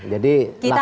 jadi laksanakan aja